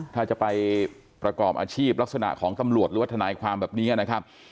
ถ้าจะไปประกอบอาชีพลักษณะของตำรวจหรือว่าทนายความแบบนี้นะครับ